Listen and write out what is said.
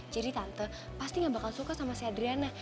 jadi tante pasti gak bakal suka sama si adriana